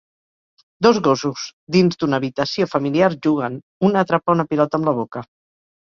Dos gossos dins d'una habitació familiar juguen, un atrapa una pilota amb la boca.